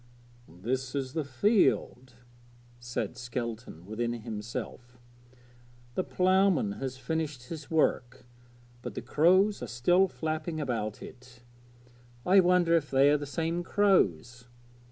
'This is the field,' said Skelton within himself. 'The ploughman has finished his work, but the crows are still flapping about it. I wonder if they are the same crows!